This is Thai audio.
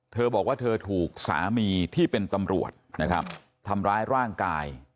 เธอบอกว่าเธอถูกสามีที่เป็นตำรวจนะครับทำร้ายร่างกาย